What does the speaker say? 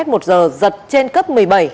một giờ giật trên cấp một mươi bảy